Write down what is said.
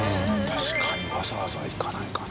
里わざわざ行かないかな。